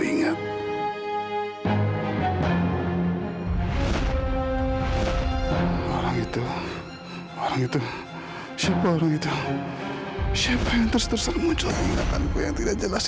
diingat orang itu orang itu siapa orang itu siapa yang terserah muncul diingatanku yang tidak jelas